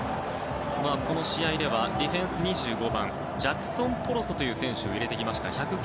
この試合ではディフェンスの２５番ジャクソン・ポロソという選手を入れてきました。